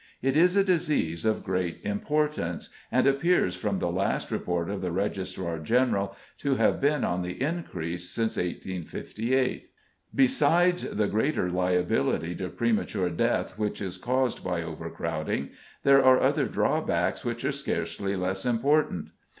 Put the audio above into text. It is a disease of great importance, and appears from the last report of the Registrar General to have been on the increase since 1858. Besides the greater liability to premature death which is caused by overcrowding, there are other drawbacks which are scarcely less important.